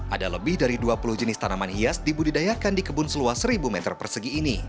ada lebih dari dua puluh jenis tanaman hias dibudidayakan di kebun seluas seribu meter persegi ini